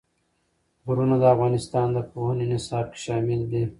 غرونه د افغانستان د پوهنې نصاب کې شامل دي.